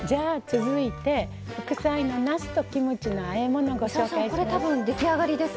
続いて副菜のなすとキムチのあえ物をご紹介します。